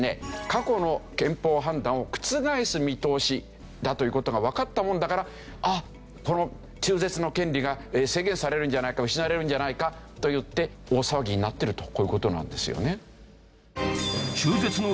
過去の憲法判断を覆す見通しだという事がわかったもんだからこの中絶の権利が制限されるんじゃないか失われるんじゃないかといって大騒ぎになってるとこういう事なんですよね。と心配する